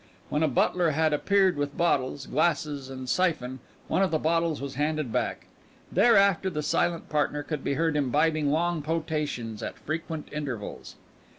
When a butler had appeared with bottles, glasses, and siphon one of the bottles was handed back; thereafter the silent partner could be heard imbibing long potations at frequent intervals.